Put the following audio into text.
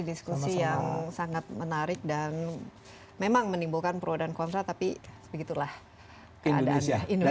diskusi yang sangat menarik dan memang menimbulkan pro dan kontra tapi begitulah keadaan indonesia